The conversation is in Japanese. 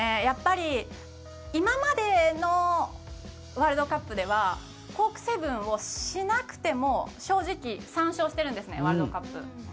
やっぱり今までのワールドカップではコーク７２０をしなくても正直、３勝してるんですねワールドカップ。